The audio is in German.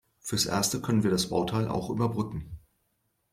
Fürs Erste können wir das Bauteil auch überbrücken.